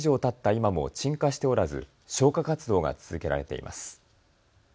今も鎮火しておらず消火活動が続けられています。